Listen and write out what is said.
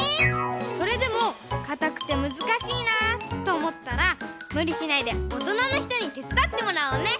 それでもかたくてむずかしいなとおもったらむりしないでおとなのひとにてつだってもらおうね！